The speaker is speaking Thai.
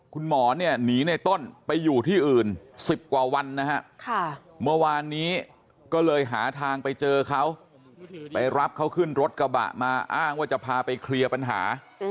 คุณหมอเนี่ยหนีในต้นไปอยู่ที่อื่น๑๐กว่าวันนะฮะเมื่อวานนี้ก็เลยหาทางไปเจอเขาไปรับเขาขึ้นรถกระบะมาอ้างว่าจะพาไปเคลียร์ปัญหา